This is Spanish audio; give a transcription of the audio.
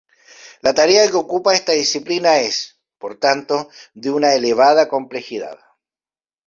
La tarea que ocupa a esta disciplina es, por tanto, de una elevada complejidad.